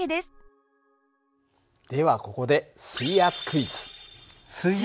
ではここで水圧クイズ？